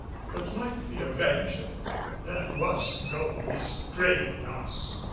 But like the Avenger, there was no restraining us.